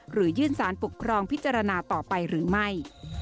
หรือยื่นสารปกครองพิจารณาต่อไปหรือไม่